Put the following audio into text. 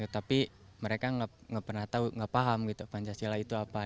tapi mereka nggak pernah tahu nggak paham gitu pancasila itu apa